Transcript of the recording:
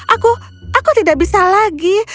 aku aku tidak bisa lagi